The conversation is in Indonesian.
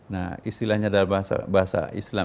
nah istilahnya dalam bahasa islam itu kan nanti kita gak berkah